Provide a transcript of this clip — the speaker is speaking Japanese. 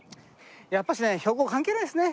やっぱしね標高関係ないですね。